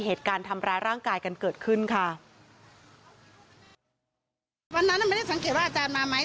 เหตุการณ์ทำร้ายร่างกายกันเกิดขึ้นค่ะวันนั้นน่ะไม่ได้สังเกตว่าอาจารย์มาไหม